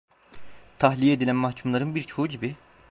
Tahliye edilen mahkumların birçoğu gibi…